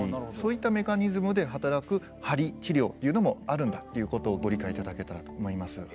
そういったメカニズムで働く鍼治療というのもあるんだということをご理解いただけたらと思います。